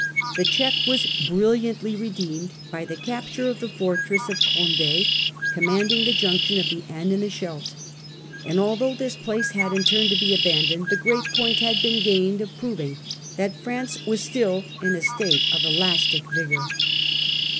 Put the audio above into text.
The check was bril liantly redeemed by the capture of the fortress of Condd, commanding the junction of the Aisne and the Scheldt. And although this place had in turn to be abandoned, the great point had been gained of proving that France was still in a state of elastic vigour.